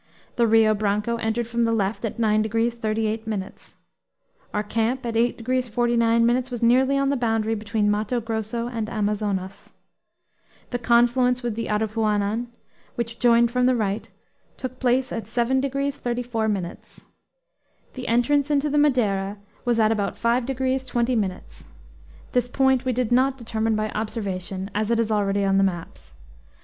The Rio Branco entered from the left at 9 degrees 38 minutes. Our camp at 8 degrees 49 minutes was nearly on the boundary between Matto Grosso and Amazonas. The confluence with the Aripuanan, which joined from the right, took place at 7 degrees 34 minutes. The entrance into the Madeira was at about 5 degrees 20 minutes (this point we did not determine by observation, as it is already on the maps).